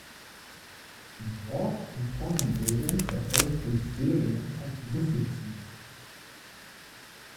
Die Wort- und Formenbildung erfolgt durch Serien von Suffixen.